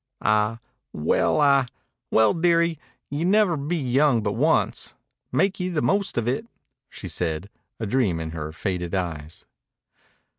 "A well a well, dearie, you'll never be young but once. Make ye the most of it," she said, a dream in her faded eyes.